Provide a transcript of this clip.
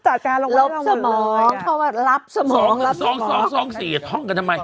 จากการลงไว้ลงหมดเลยอ่ะสองสองสองสองสี่ท่องกันทำไม